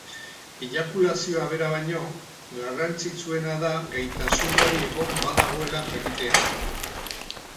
Eiakulazioa bera baino, garrantzitsuena da gaitasun hori egon badagoela jakitea.